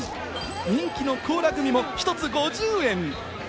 人気のコーラグミも１つ５０円。